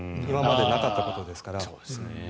今までなかったことですから。